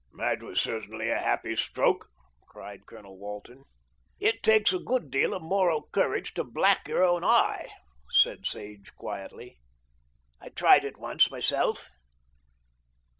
"That was certainly a happy stroke," cried Colonel Walton. "It takes a good deal of moral courage to black your own eye," said Sage quietly. "I tried it once myself."